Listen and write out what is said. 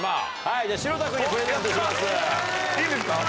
いいんですか？